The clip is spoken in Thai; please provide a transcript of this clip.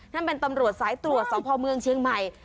นั่นเป็นตำรวจสายตรวจสพเมืองเชียงใหม่